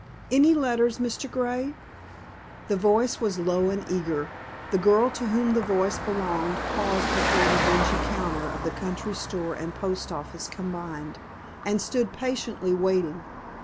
"Any letters, Mr. Grey?" The voice was low and eager. The girl to whom the voice belonged paused before the dingy counter of the country store and post office combined, and stood patiently waiting.